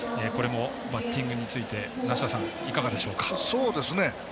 バッティングについて梨田さん、いかがでしょうか？